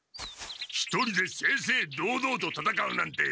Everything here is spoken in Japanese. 一人で正々堂々とたたかうなんて！